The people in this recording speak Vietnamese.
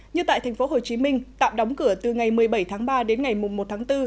như tại tp hcm tạm đóng cửa từ ngày một mươi bảy tháng ba đến ngày một tháng bốn